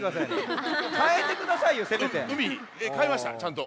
かえましたちゃんと。